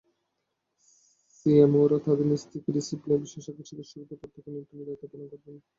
সিএমওরা তাঁদের নিজ নিজ ডিসিপ্লিনের বিশেষজ্ঞ চিকিৎসকের প্রত্যক্ষ নিয়ন্ত্রণে দায়িত্ব পালন করবেন।